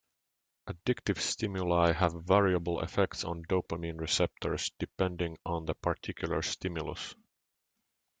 Addictive stimuli have variable effects on dopamine receptors, depending on the particular stimulus.